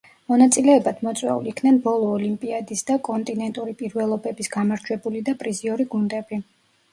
მონაწილეებად მოწვეულ იქნენ ბოლო ოლიმპიადის და კონტინენტური პირველობების გამარჯვებული და პრიზიორი გუნდები.